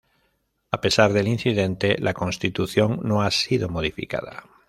A pesar del incidente, la Constitución no ha sido modificada.